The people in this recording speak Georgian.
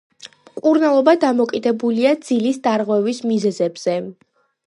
მკურნალობა დამოკიდებულია ძილის დარღვევის მიზეზებზე.